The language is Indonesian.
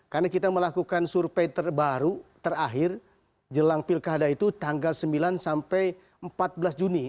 karena kita melakukan surpay terbaru terakhir jelang pilkada itu tanggal sembilan sampai empat belas juni